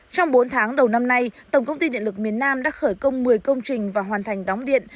trong bốn tháng đầu năm nay tổng công ty điện lực miền nam đã khởi công một mươi công trình và hoàn thành đóng điện